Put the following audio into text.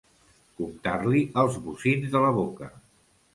Comptar-li els bocins de la boca.